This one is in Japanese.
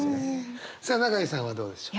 さあ永井さんはどうでしょう？